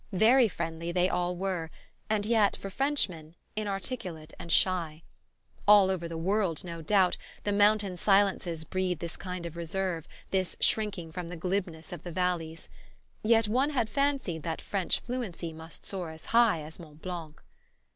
Very friendly they all were, and yet, for Frenchmen, inarticulate and shy. All over the world, no doubt, the mountain silences breed this kind of reserve, this shrinking from the glibness of the valleys. Yet one had fancied that French fluency must soar as high as Mont Blanc.